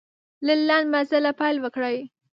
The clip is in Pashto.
له لنډ مزله پیل وکړئ.